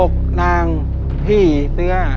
อกนางผีเสื้อ